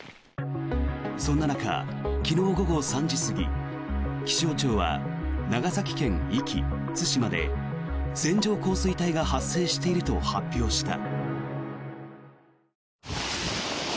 そんな中、昨日午後３時過ぎ気象庁は長崎県壱岐、対馬で線状降水帯が発生していると発表した。